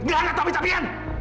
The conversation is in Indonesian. nggak tapi tapi kan